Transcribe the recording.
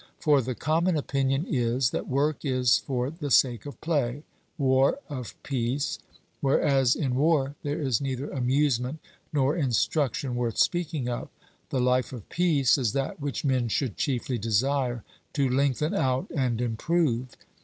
For the common opinion is, that work is for the sake of play, war of peace; whereas in war there is neither amusement nor instruction worth speaking of. The life of peace is that which men should chiefly desire to lengthen out and improve.